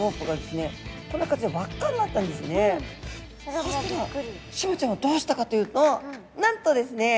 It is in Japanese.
そしたらシマちゃんはどうしたかというとなんとですね